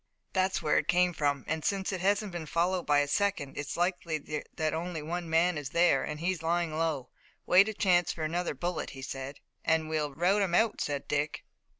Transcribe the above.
"That's where it came from, and, since it hasn't been followed by a second, it's likely that only one man is there, and he is lying low, waiting a chance for another bullet," he said. "Then we'll rout him out," said Dick.